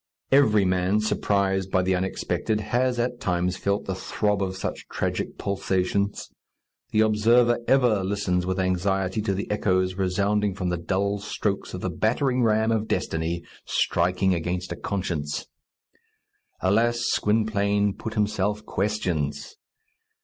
Every man, surprised by the unexpected, has at times felt the throb of such tragic pulsations. The observer ever listens with anxiety to the echoes resounding from the dull strokes of the battering ram of destiny striking against a conscience. Alas! Gwynplaine put himself questions.